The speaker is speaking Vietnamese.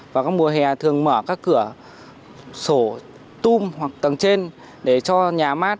và các mùa hè thường mở các cửa sổ tum hoặc tầng trên để cho nhà mát